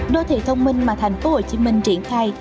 đô thị thông minh mà thành phố hồ chí minh triển khai